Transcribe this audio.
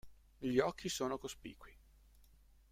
Gli occhi sono cospicui.